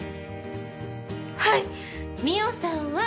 はい！